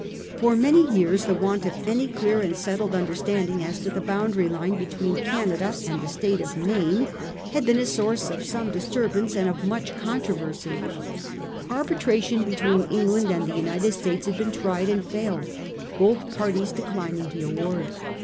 For many years the want of any clear arid settled understanding as to the boundary line between Canada and the State of Maine had been 320 A HISTORY OF OUR OWN TIMES. cn. XTTT. a source of some disturbance, and of much contro versy. Arbitration between England and the United States had been tried and failed, both parties declin ing the award.